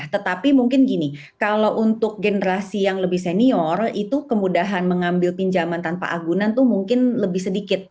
tetapi mungkin gini kalau untuk generasi yang lebih senior itu kemudahan mengambil pinjaman tanpa agunan itu mungkin lebih sedikit